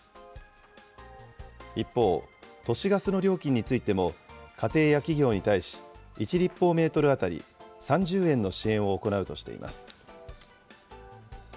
一方、都市ガスの料金についても、家庭や企業に対し、１立方メートル当たり３０円の支援を行うとしています。